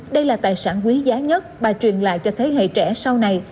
đây là tài sản quý giá nhất bà truyền lại cho thế hệ trẻ sau này